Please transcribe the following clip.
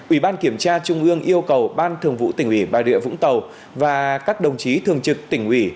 ủy ban kiểm tra trung ương yêu cầu ban thường vụ tỉnh ủy bà rịa vũng tàu và các đồng chí thường trực tỉnh ủy